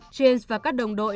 james và các đồng đội